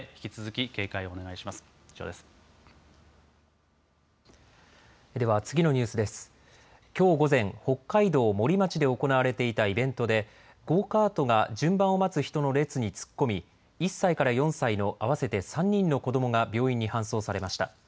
きょう午前、北海道森町で行われていたイベントで、ゴーカートが順番を待つ人の列に突っ込み、１歳から４歳の合わせて３人の子どもが病院に搬送されました。